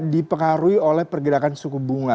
di pengaruhi oleh pergerakan suku bunga